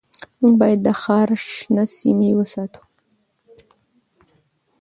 موږ باید د ښار شنه سیمې وساتو